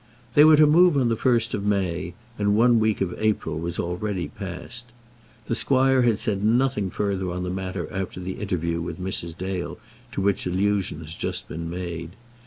They were to move on the first of May, and one week of April was already past. The squire had said nothing further on the matter after the interview with Mrs. Dale to which allusion has just been made.